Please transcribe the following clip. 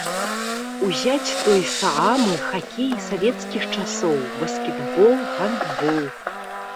Узяць той саамы хакей савецкіх часоў, баскетбол, гандбол.